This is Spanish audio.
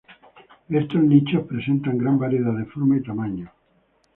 Estos nichos presentan gran variedad de formas y tamaños.